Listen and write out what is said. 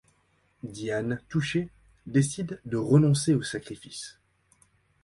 Diane, touchée, décide de renoncer au sacrifice.